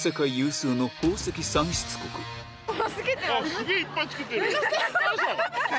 すげぇいっぱいつけてる。